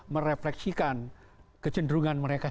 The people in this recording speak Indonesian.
menunjukan kecenderungan mereka